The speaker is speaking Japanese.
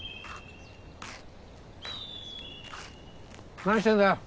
何してるんだよ。